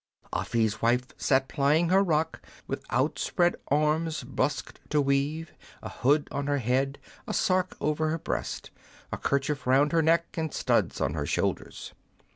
Afi's wife sat plying her rock With outspread arms, busked to weave. A hood on her head, a sark over her breast, A kerchief round her neck, and studs on her shoulders.